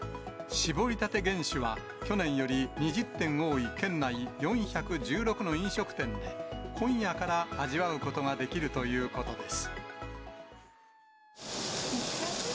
しぼりたて原酒は去年より２０店多い県内４１６の飲食店で今夜から味わうことができるということです。